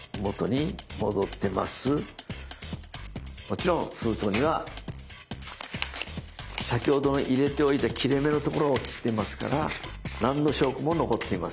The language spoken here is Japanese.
もちろん封筒には先ほどの入れておいた切れ目のところを切っていますから何の証拠も残っていません。